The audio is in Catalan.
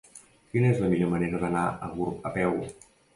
Quina és la millor manera d'anar a Gurb a peu?